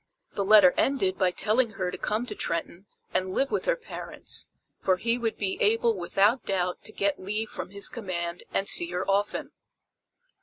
The letter ended by telling her to come to Trenton and live with her parents, for he would be able without doubt to get leave from his command and see her often.